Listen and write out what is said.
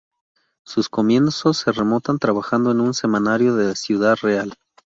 Sus comienzos se remontan trabajando en un semanario de Ciudad Real.